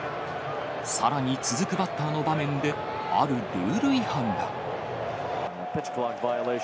さらに続くバッターの場面で、あるルール違反が。